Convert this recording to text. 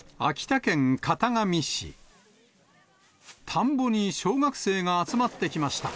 田んぼに小学生が集まってきました。